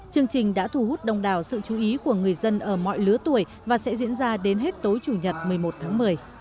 chương trình đã thu hút đông đào sự chú ý của người dân ở mọi lứa tuổi và sẽ diễn ra đến hết tối chủ nhật một mươi một tháng một mươi